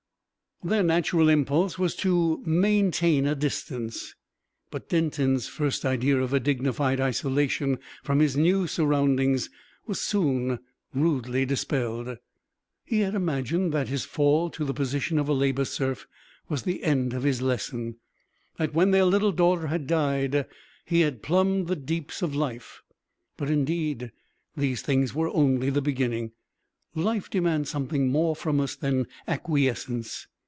Their natural impulse was to maintain a "distance." But Denton's first idea of a dignified isolation from his new surroundings was soon rudely dispelled. He had imagined that his fall to the position of a Labour Serf was the end of his lesson, that when their little daughter had died he had plumbed the deeps of life; but indeed these things were only the beginning. Life demands something more from us than acquiescence.